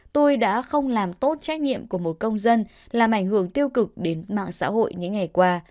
tôi đã không làm tốt trách nhiệm của một công dân làm ảnh hưởng tiêu cực đến mạng xã hội những ngày qua